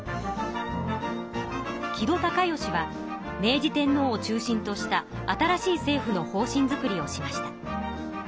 木戸孝允は明治天皇を中心とした新しい政府の方針づくりをしました。